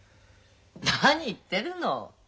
何言ってるの。